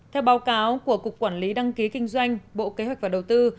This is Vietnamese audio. theo báo cáo của cục quản lý đăng ký kinh doanh bộ kế hoạch và đầu tư